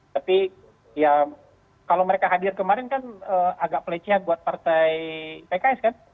tapi ya kalau mereka hadir kemarin kan agak pelecehan buat partai pks kan